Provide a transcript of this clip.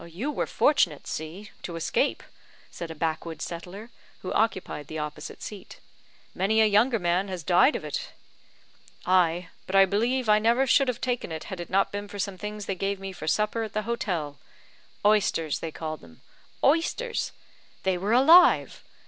"You were fortunate, C , to escape," said a backwood settler, who occupied the opposite seat; "many a younger man has died of it." "Ay; but I believe I never should have taken it had it not been for some things they gave me for supper at the hotel; oysters, they called them, oysters; they were alive!